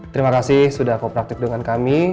terima kasih sudah kok praktik dengan kami